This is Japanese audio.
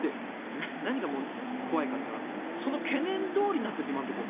何が怖いかと言ったらその懸念どおりになってる。